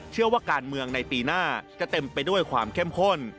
เชื่อว่าการเมืองในปีหน้าจะเต็มไปด้วยความเข้มข้น